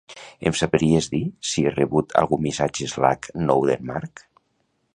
Em sabries dir si he rebut algun missatge d'Slack nou d'en Marc?